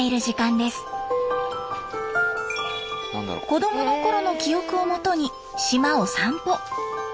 子供のころの記憶をもとに島を散歩。